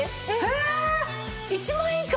えっ１万円以下！？